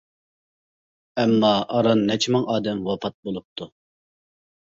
ئەمما ئاران نەچچە مىڭ ئادەم ۋاپات بولۇپتۇ.